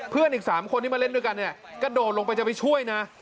เพื่อนอีก๓คนที่มาเล่นด้วยกันเนี่ยกระโดดลงไปจะไปช่วยนะ